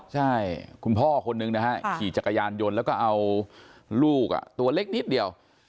ใช่คุณพ่อคนนึงนะฮะขี่จักรยานยนต์แล้วก็เอาลูกตัวเล็กนิดเดียว